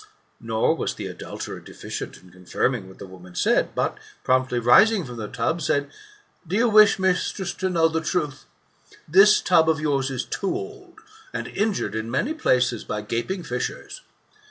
Nor was the adulterer deficient in confirming what the woman said, but, promptly rising from the tub, said, " Do you wish, mistress, to know the truth ? This tub of yours is too old, and injured in many places by gaping fissures."